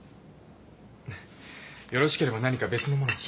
よろしければ何か別のものを。